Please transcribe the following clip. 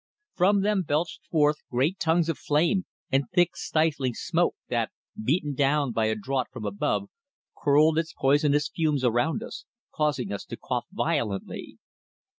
From them belched forth great tongues of flame and thick stifling smoke that, beaten down by a draught from above, curled its poisonous fumes around us, causing us to cough violently.